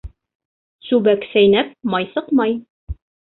Сүбәк сәйнәп, май сыҡмай.